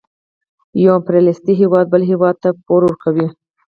یو امپریالیستي هېواد بل هېواد ته پور ورکوي